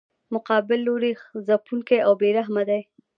مقابل لوری ځپونکی او بې رحمه دی.